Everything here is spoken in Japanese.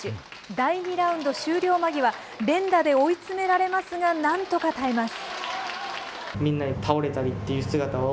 第２ラウンド終了間際、連打で追い詰められますが、なんとか耐えます。